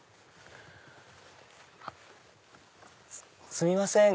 すみません。